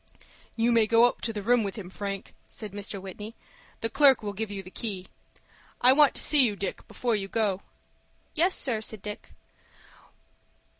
"You may go up to the room with him, Frank," said Mr. Whitney. "The clerk will give you the key. I want to see you, Dick, before you go." "Yes, sir," said Dick.